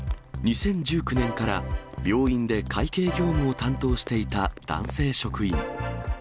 ２０１９年から、病院で会計業務を担当していた男性職員。